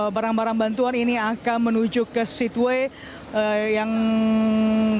barang barang bantuan ini akan menuju ke seatway yang kira kira ini adalah barang barang yang diperlukan untuk menjaga kemampuan